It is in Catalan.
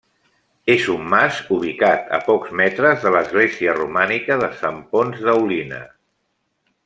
És un mas ubicat a pocs metres de l'església romànica de Sant Ponç d'Aulina.